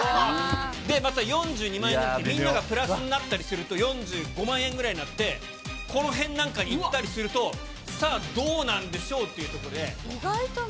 また４２万円のとき、みんながプラスになったりすると、４５万円ぐらいになって、この辺なんかいったりすると、さあ、どうなんでしょうというところで。